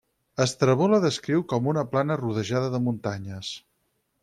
Estrabó la descriu com una plana rodejada de muntanyes.